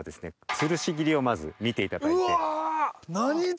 吊し切りをまず見ていただいて。